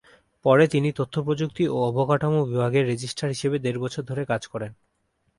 পরে তিনি তথ্য প্রযুক্তি ও অবকাঠামো বিভাগের রেজিস্ট্রার হিসেবে দেড় বছর ধরে কাজ করেন।